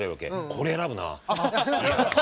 これ選ぶな！